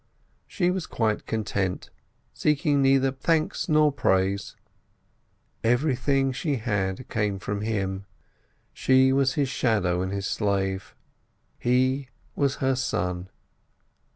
She was quite content, seeking neither thanks nor praise. Everything she had came from him: she was his shadow and his slave. He was her sun.